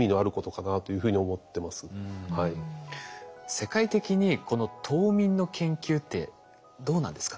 世界的にこの冬眠の研究ってどうなんですか？